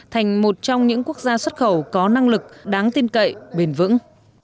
thành một trong những quốc gia xuất khẩu có năng lực đáng tin cậy bền vững